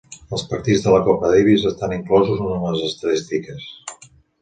Els partits de la Copa Davis estan inclosos en les estadístiques.